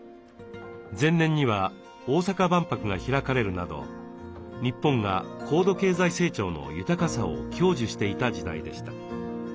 前年には大阪万博が開かれるなど日本が高度経済成長の豊かさを享受していた時代でした。